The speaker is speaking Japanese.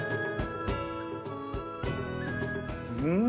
うん！